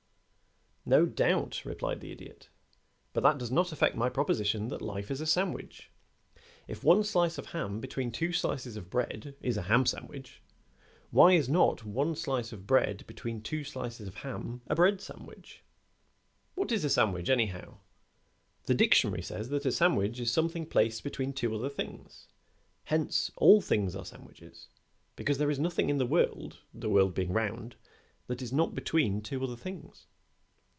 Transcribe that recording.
"No doubt," replied the Idiot, "but that does not affect my proposition that life is a sandwich. If one slice of ham between two slices of bread is a ham sandwich, why is not one slice of bread between two slices of ham a bread sandwich? What is a sandwich, anyhow? The dictionary says that a sandwich is something placed between two other things; hence, all things are sandwiches, because there is nothing in the world, the world being round, that is not between two other things.